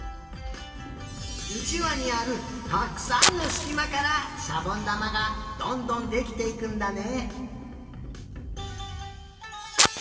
うちわにあるたくさんのすきまからしゃぼんだまがどんどんできていくんだね！